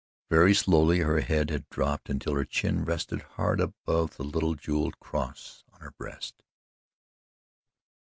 Very slowly her head had dropped until her chin rested hard above the little jewelled cross on her breast.